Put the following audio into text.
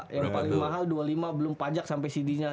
yang paling mahal rp dua puluh lima belum pajak sampai cd nya rp tujuh